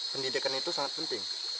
pendidikan itu sangat penting